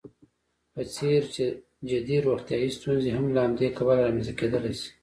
په څېر جدي روغیتايي ستونزې هم له همدې کبله رامنځته کېدلی شي.